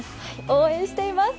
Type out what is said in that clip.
応援しています。